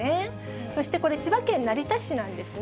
そしてこれ、千葉県成田市なんですね。